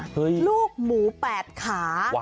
รูปหมูแปดขา